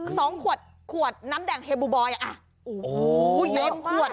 สองขวดขวดน้ำแดงเฮบูบอยโอ้โหเยอะมาก